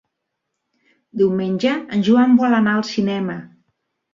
Diumenge en Joan vol anar al cinema.